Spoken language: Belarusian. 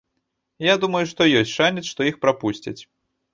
Я думаю, што ёсць шанец, што іх прапусцяць.